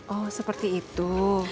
oh seperti itu